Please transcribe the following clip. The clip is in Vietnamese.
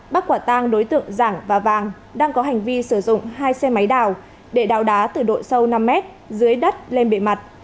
bắt quả tang đối tượng giảng và vàng đang có hành vi sử dụng hai xe máy đào để đào đá từ độ sâu năm mét dưới đất lên bề mặt